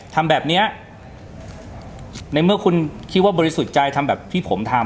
ทำแบบเนี้ยในเมื่อคุณคิดว่าบริสุทธิ์ใจทำแบบที่ผมทำ